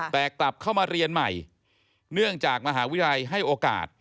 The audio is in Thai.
แต่กลับเข้ามาเรียนใหม่เนื่องจากมหาวิทยาลัยให้โอกาส